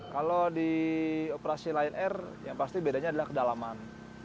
kalau di operasi lion air yang pasti bedanya adalah kedalaman